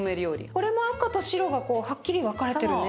これも赤と白がこうはっきり分かれてるね。